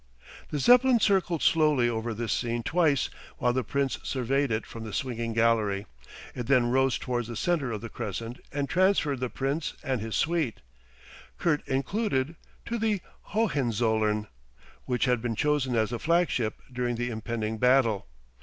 The Zeppelin circled slowly over this scene twice while the Prince surveyed it from the swinging gallery; it then rose towards the centre of the crescent and transferred the Prince and his suite, Kurt included, to the Hohenzollern, which had been chosen as the flagship during the impending battle.